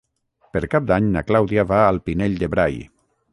Per Cap d'Any na Clàudia va al Pinell de Brai.